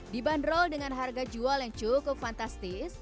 dibanderol dengan harga jual yang cukup fantastis